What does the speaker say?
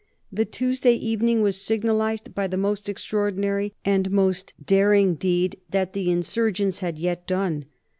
The Tuesday evening was signalized by the most extraordinary and most daring deed that the insurgents had yet done.